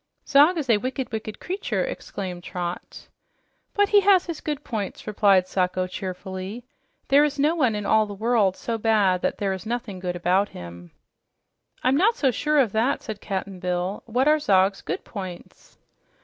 "Zog is a wicked, wicked creature!" exclaimed Trot. "But he had his good points," replied Sacho cheerfully. "There is no one about in the world so bad that there is nothing good about him." "I'm not so sure of that," said Cap'n Bill. "What are Zog's good points?"